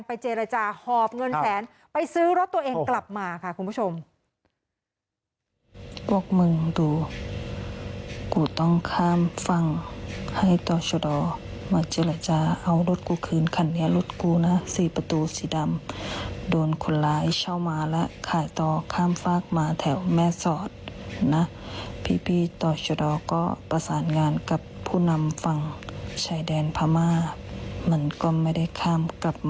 เจรจาหอบเงินแสนไปซื้อรถตัวเองกลับมาค่ะคุณผู้ชม